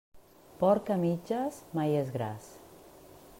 Porc a mitges, mai és gras.